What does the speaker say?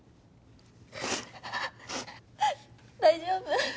大丈夫？